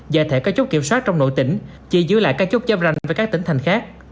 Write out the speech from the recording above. giải thể các chốt kiểm soát trong nội tỉnh chỉ giữ lại các chốt chám ranh với các tỉnh thành khác